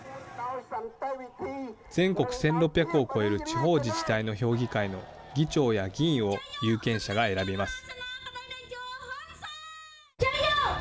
全国１６００を超える地方自治体の評議会の議長や議員を有権者が選びます。